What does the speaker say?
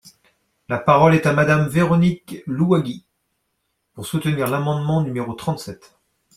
La parole est à Madame Véronique Louwagie, pour soutenir l’amendement numéro trente-sept.